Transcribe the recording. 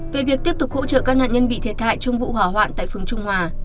về việc tiếp tục hỗ trợ các nạn nhân bị thiệt hại trong vụ hỏa hoạn tại phường trung hòa